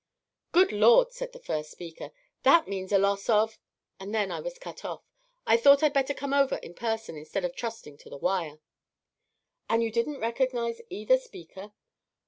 "'Good Lord!' said the first speaker, 'that means a loss of ' and then I was cut off. I thought I'd better come over in person instead of trusting to the wire." "And you didn't recognize either speaker?"